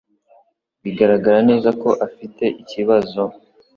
Biragaragara neza ko ufite ikibazo